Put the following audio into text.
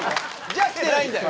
じゃあ来てないんだよ。